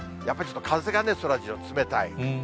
やっぱちょっと風がそらジロー、冷たい。